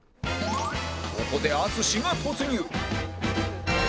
ここで淳が突入！